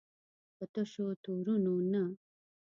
په تشو تورونو نه.